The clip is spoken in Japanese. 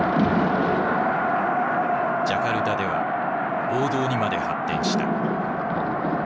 ジャカルタでは暴動にまで発展した。